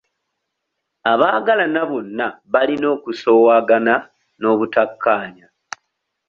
Abaagalana bonna balina okusoowagana n'obutakkaanya.